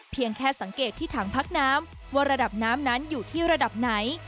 แค่สังเกตที่ถังพักน้ำว่าระดับน้ำนั้นอยู่ที่ระดับไหน